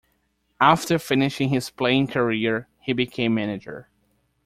After finishing his playing career, he became manager.